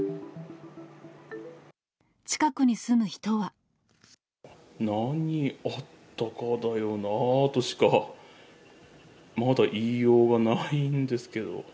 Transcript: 近くに住む人は。何があったかだよなとしかまだ言いようがないんですけど。